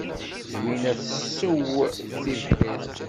Zwina tessew tibḥirt.